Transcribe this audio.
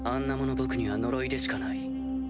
僕には呪いでしかない。